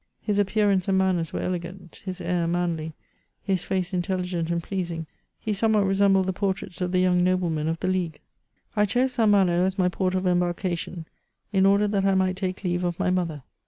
His appearance and manners were elegant, his air manlj, his face intelligent and pleasing; he somewhat resembled the portraits of the young noblemen of the Ijeague. I chose St. Malo as my port of embarkation, in order that I might take leave of my mother.